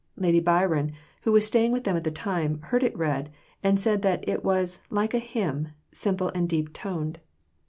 Lady Byron, who was staying with them at the time, heard it read, and said that it was "like a hymn simple and deep toned."